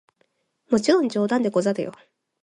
もちろん冗談でござるよ！